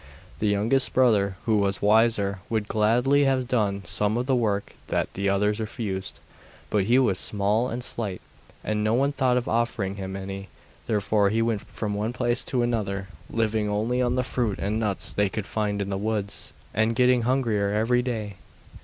The youngest brother, who was wiser, would gladly have done some of the work that the others refused, but he was small and slight, and no one thought of offering him any. Therefore they went from one place to another, living only on the fruit and nuts they could find in the woods, and getting hungrier every day.